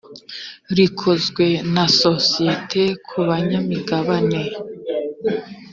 rikozwe na sosiyete ku banyamigabane